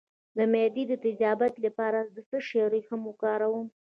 د معدې د تیزابیت لپاره د څه شي ریښه وکاروم؟